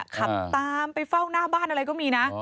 ขับตามไปเฝ้าหน้าบ้านอะไรก็มีนะ